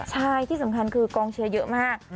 ใช่ที่สำคัญคือกองเชียร์เยอะมาก